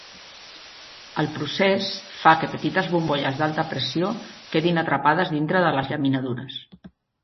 El procés fa que petites bombolles d'alta pressió quedin atrapades dintre de les llaminadures.